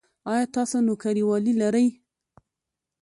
ایا تاسو نوکریوالي لرئ؟